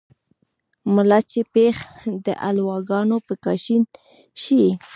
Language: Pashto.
ملا چې پېښ دحلواګانو په کاشين شي